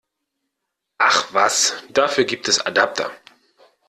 Ach was, dafür gibt es Adapter!